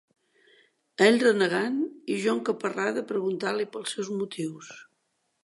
Ell renegant i jo encaparrada a preguntar-li pels seus motius.